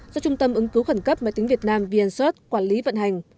do trung tâm ứng cứu khẩn cấp máy tính việt nam vn search quản lý vận hành